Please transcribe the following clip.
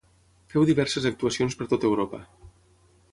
Féu diverses actuacions per tot Europa.